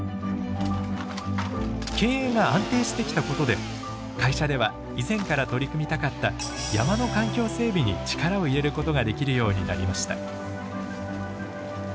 経営が安定してきたことで会社では以前から取り組みたかった山の環境整備に力を入れることができるようになりました。